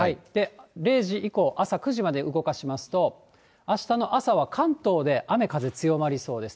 ０時以降、朝９時まで動かしますと、あしたの朝は関東で雨風強まりそうです。